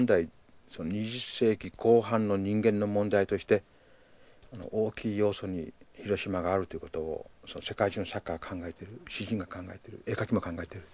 その２０世紀後半の人間の問題として大きい要素に広島があるということを世界中の作家が考えてる詩人が考えてる絵描きも考えてる。